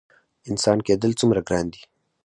انسان کیدل څومره ګران دي؟